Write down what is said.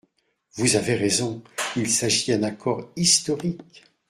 Vous avez raison ! Il s’agit d’un accord historique.